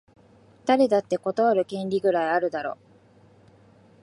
誰だって断る権利ぐらいあるだろ